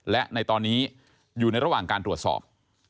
และในตอนนี้อยู่ในระหว่างการตรวจสอบ